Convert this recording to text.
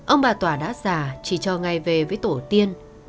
ông bà tỏa đã già chỉ cho ngày về với tổ tiên